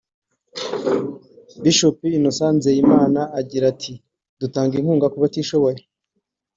Bishop Innocent Nzeyimana agira ati “Dutanga inkunga ku batishoboye